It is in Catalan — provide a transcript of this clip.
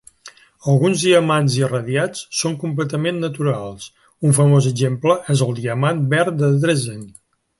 Alguns diamants irradiats són completament naturals; un famós exemple és el Diamant Verd de Dresden.